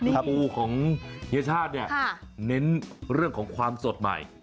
ตะปูของเฮียชาติเนี่ยเน้นเรื่องของความสดใหม่